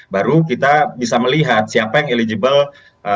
baru kita bisa melihat siapa yang eligible